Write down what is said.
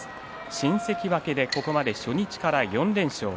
新関脇でここまで初日から４連勝。